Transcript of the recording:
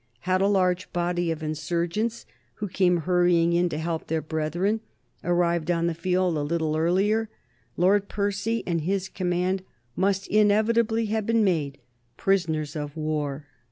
Had a large body of insurgents, who came hurrying in to help their brethren, arrived on the field a little earlier, Lord Percy and his command must inevitably have been made prisoners of war.